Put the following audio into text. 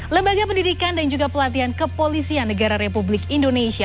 lembaga pendidikan dan juga pelatihan kepolisian negara republik indonesia